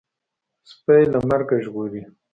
سپى له مرګه ژغوري.